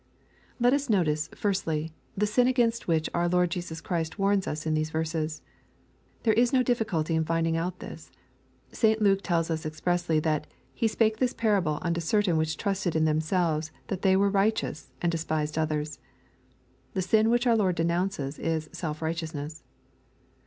Let us notice, firstly, the sin against which our Lord Jesus Christ warns us in these verses. There is no diffi culty in finding out this. St. Luke tells us expressly, that " He spake this parable unto certain which trusted in \ themselves that theywere righteous, and despised others. The sin which our Lord denounces is "self righteousness.